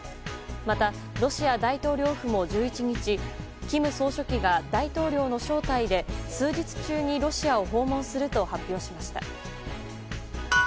またロシア大統領府も１１日金総書記が大統領の招待で数日中にロシアを訪問すると発表しました。